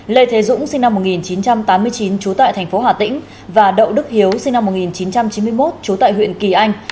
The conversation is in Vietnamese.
lê thế dũng sinh năm một nghìn chín trăm tám mươi chín trú tại thành phố hà tĩnh và đậu đức hiếu sinh năm một nghìn chín trăm chín mươi một trú tại huyện kỳ anh